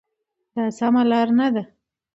دا سمه لار نه ده.